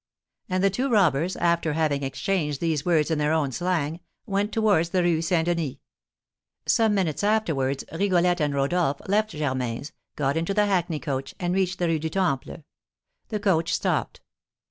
And the two robbers, after having exchanged these words in their own slang, went towards the Rue St. Denis. Some minutes afterwards Rigolette and Rodolph left Germain's, got into the hackney coach, and reached the Rue du Temple. The coach stopped.